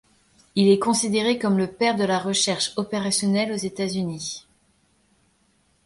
Il est considéré comme le père de la recherche opérationnelle aux États-Unis.